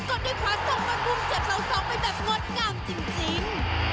กดด้วยขวาส่องมากลุ้มเจ็บเหล่าสองไปแบบงดงามจริง